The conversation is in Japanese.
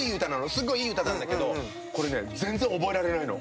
すっごいいい歌なんだけどこれね全然覚えられないの。